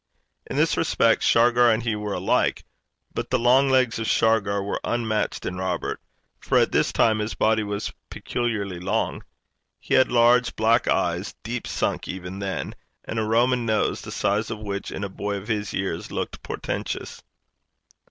In this respect Shargar and he were alike; but the long legs of Shargar were unmatched in Robert, for at this time his body was peculiarly long. He had large black eyes, deep sunk even then, and a Roman nose, the size of which in a boy of his years looked portentous.